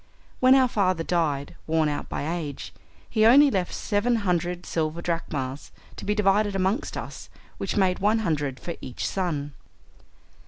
When our father died, worn out by age, he only left seven hundred silver drachmas to be divided amongst us, which made one hundred for each son.